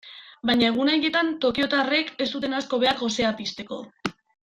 Baina egun haietan tokiotarrek ez zuten asko behar gosea pizteko.